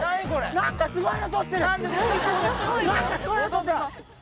何かすごいのとってるぞ。